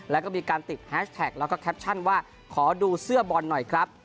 แล้วก็มีการติดแฮชแท็กแล้วก็แคปชั่นว่าขอดูเสื้อบอลหน่อยครับ